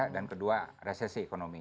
dan kedua resesi ekonomi